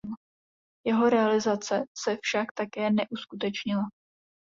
Jeho realizace se však také neuskutečnila.